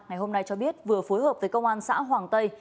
ngày hôm nay cho biết vừa phối hợp với công an xã hoàng tây